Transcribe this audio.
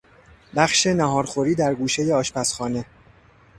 بخش نهارخوری در گوشهی آشپزخانه